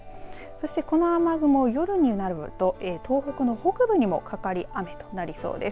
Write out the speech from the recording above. そして、この雨雲、夜になると東北の北部にもかかり雨となりそうです。